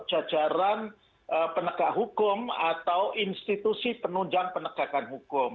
jajaran penegak hukum atau institusi penunjang penegakan hukum